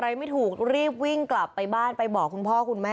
ให้รออยู่ตรงสนามนักเล่น